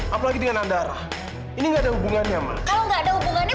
apalagi dengan andara ini enggak ada hubungannya kalau enggak ada hubungannya